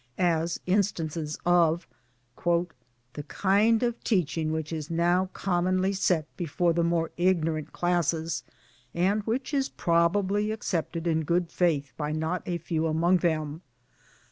as instances of " the kind of teaching which is now commonly set before the more ignorant classes, and which is prob ably accepted in good faith by not a few among them.